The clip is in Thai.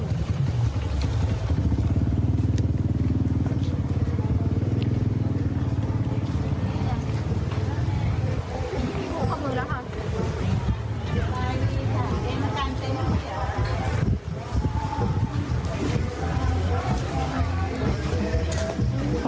พี่พูกข้อมือแล้วค่ะ